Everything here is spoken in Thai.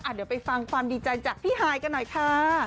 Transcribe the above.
เดี๋ยวไปฟังความดีใจจากพี่ฮายกันหน่อยค่ะ